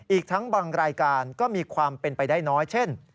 อีกทั้งบางรายการก็มีความเป็นไปได้น้อยเช่น